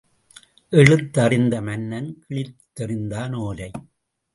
எழுத்து அறிந்த மன்னன் கிழித்தெறிந்தான் ஓலை.